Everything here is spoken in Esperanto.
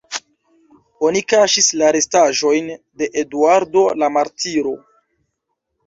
Oni kaŝis la restaĵojn de Eduardo la martiro.